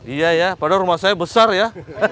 iya ya padahal rumah saya besar ya